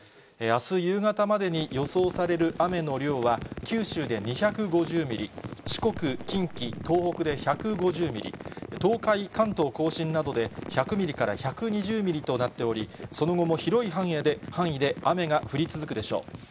あす夕方までに予想される雨の量は、九州で２５０ミリ、四国、近畿、東北で１５０ミリ、東海、関東甲信などで１００ミリから１２０ミリとなっており、その後も広い範囲で雨が降り続くでしょう。